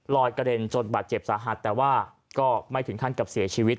กระเด็นจนบาดเจ็บสาหัสแต่ว่าก็ไม่ถึงขั้นกับเสียชีวิต